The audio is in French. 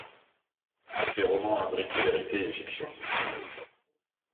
Ses romans imbriquent vérité et fiction.